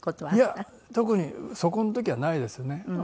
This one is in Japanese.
いや特にそこの時はないですね。